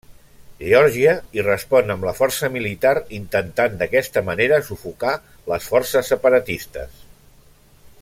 Geòrgia hi respon amb la força militar, intentant, d'aquesta manera, sufocar les forces separatistes.